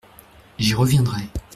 J’y reviendrai.